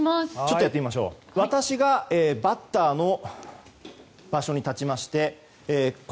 私がバッターの場所に立ちまして